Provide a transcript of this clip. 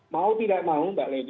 mau tidak mau mbak lady